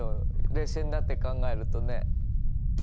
冷静になって考えるとね。